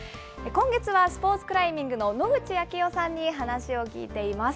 今月はスポーツクライミングの野口啓代さんに話を聞いています。